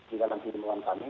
jika nanti di dalam imauan kami